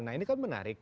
nah ini kan menarik